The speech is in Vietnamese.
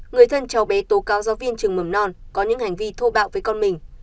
người thân cháu bé tố cáo giáo viên trường mầm non có những hành vi thô bạo với con mình